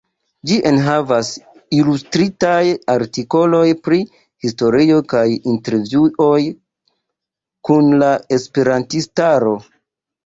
Ĝi enhavas ilustritaj artikoloj pri historio kaj intervjuoj kun la esperantistaro.